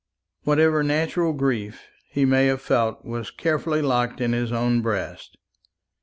Whatever natural grief he may have felt was carefully locked in his own breast.